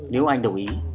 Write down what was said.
nếu anh đồng ý